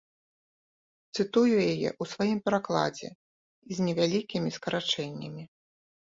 Цытую яе ў сваім перакладзе і з невялікімі скарачэннямі.